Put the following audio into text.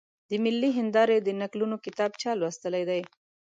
د ملي هېندارې د نکلونو کتاب چا لوستلی دی؟